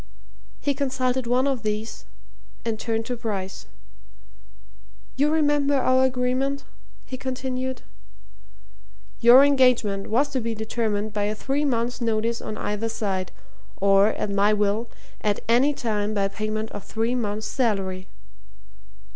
He consulted one of these and turned to Bryce. "You remember our agreement?" he continued. "Your engagement was to be determined by a three months' notice on either side, or, at my will, at any time by payment of three months' salary?"